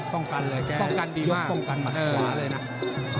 ป้องกันแบบนี้เพียงกว่า